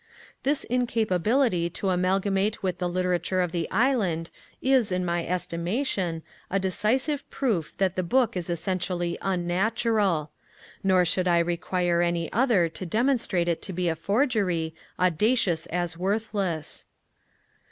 This incapability to amalgamate with the literature of the Island is, in my estimation, a decisive proof that the book is essentially unnatural; nor should I require any other to demonstrate it to be a forgery, audacious as worthless.